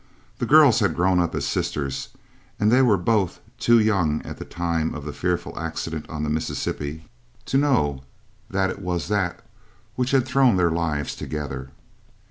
The girls had grown up as sisters, and they were both too young at the time of the fearful accident on the Mississippi to know that it was that which had thrown their lives together.